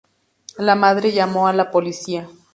La madre llamó a la policía.